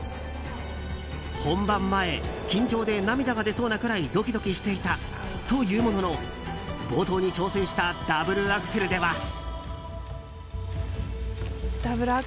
本番前、緊張で涙が出そうなくらいドキドキしていたと言うものも冒頭に挑戦したダブルアクセルでは。